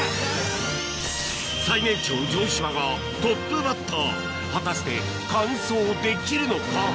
最年長城島がトップバッター果たして完走できるのか？